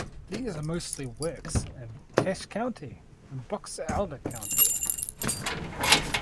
These are mostly of works in Cache County and Box Elder County.